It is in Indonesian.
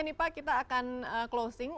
ini pak kita akan closing